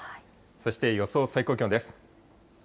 そして予想最高気温です。